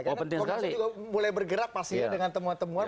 komnasam juga mulai bergerak pastinya dengan temuan temuan